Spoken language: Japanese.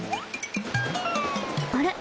あれ？